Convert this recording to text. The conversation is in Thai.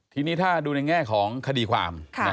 ทีนี้ถ้าดูในแง่ของคดีความ